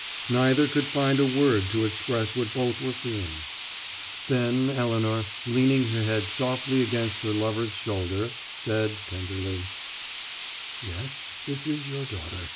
Neither could find a word to express what both were feeling. Then Elinor, leaning her head softly against her lover's shoulder, said tenderly: "Yes, this is your daughter.